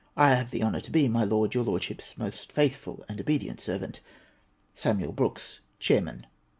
I have the honour to be, my Lord, Your Lordship's most faitliful and obedient servant, Samuel Brooks, Chairman.